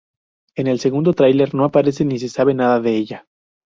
En el segundo Tráiler no aparece ni se sabe nada de ella.